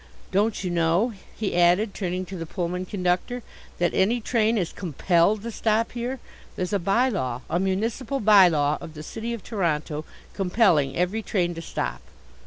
Don't you know," he added, turning to the Pullman conductor, "that any train is compelled to stop here. There's a by law, a municipal by law of the City of Toronto, compelling every train to stop?"